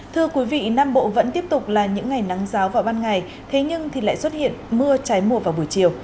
thưa quý vị nam bộ vẫn tiếp tục là những ngày nắng giáo vào ban ngày thế nhưng lại xuất hiện mưa trái mùa vào buổi chiều